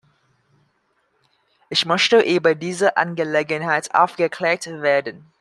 Ich möchte über diese Angelegenheit aufgeklärt werden.